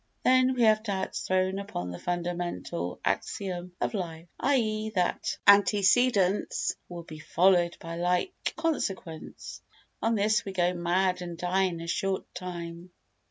Then we have doubts thrown upon the fundamental axiom of life, i.e. that like antecedents will be followed by like consequents. On this we go mad and die in a short time.